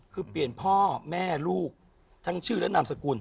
คือเปลี่ยนพ่อแม่ลูกทั้งชื่อและนามสกุล